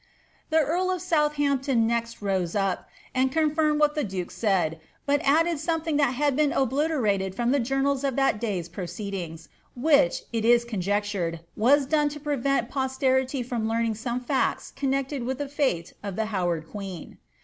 ''' The earl of Southampton next rose up, and confirmed what the dokc aaid, but added something which has been obliterated from the Jourailf of that day's proceedings, which, it is conjectured, was done to prefcai posterity from learning some iact connected with the fiite of the liow« ard queen.